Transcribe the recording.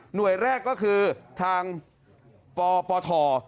หน่วยแรกก็คือทางปปธ